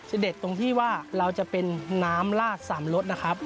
เด็ดตรงที่ว่าเราจะเป็นน้ำลากสามรสนะครับ